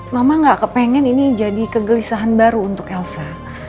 mama gak kepengen ini jadi kegelisahan baru untuk elsa